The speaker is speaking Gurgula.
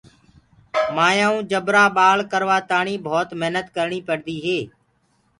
مآيونٚ جبرآ ٻآݪ ڪروآ تآڻيٚ ڀوت محنت ڪرديو هينٚ۔